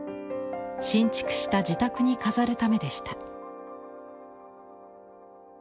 新築した自宅に飾るためでした。